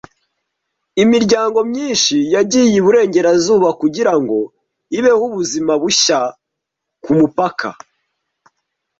Imiryango myinshi yagiye iburengerazuba kugirango ibeho ubuzima bushya kumupaka.